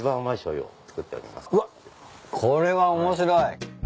うわこれは面白い。